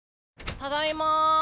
ただいま。